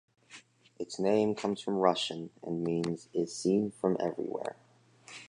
Its name comes from Russian and means "is seen from everywhere".